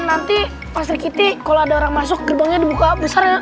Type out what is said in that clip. nanti pas rikiti kalau ada orang masuk gerbangnya dibuka besar ya